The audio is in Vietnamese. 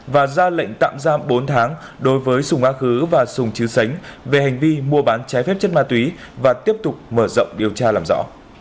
và ra lệnh tạm giam bốn tháng đối với sùng á khứ và sùng chứ sánh về hành vi mua bán trái phép chất ma túy và tiếp tục mở rộng điều tra làm rõ